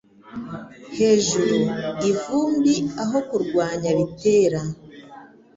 hejuru ivumbi aho kurwanya bitera